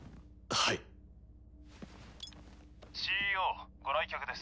ピッＣＥＯご来客です。